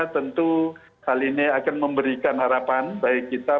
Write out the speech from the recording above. tentu hal ini akan memberikan harapan bagi kita